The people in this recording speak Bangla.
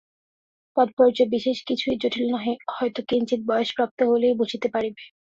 তাৎপর্য বিশেষ কিছুই জটিল নহে, হয়তো কিঞ্চিৎ বয়সপ্রাপ্ত হইলেই বুঝিতে পারিবে।